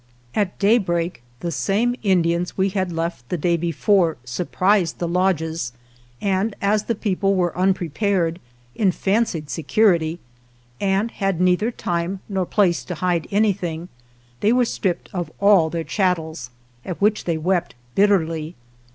At daybreak the same Indians we had left the day before surprised the lodges, and, as the people were unprepared, in fancied se curity, and had neither time nor place to hide anything, they were stripped of all their chattels, at which they wept bitterly.